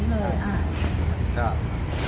พี่พอแล้วพี่พอแล้ว